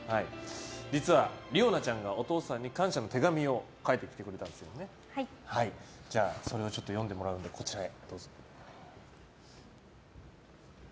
実は、梨生奈ちゃんがお父さんに感謝の手紙を書いてきてくださったのでそれを読んでもらうのでこちらへ。